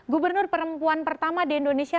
gubernur perempuan pertama di indonesia